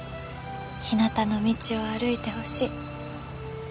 ひなたの道を歩いてほしい。